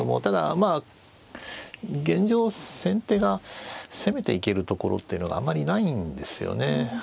ただまあ現状先手が攻めていけるところっていうのがあんまりないんですよね。